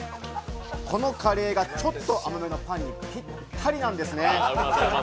このカレーがちょっと甘めのパンにぴったりなんですね。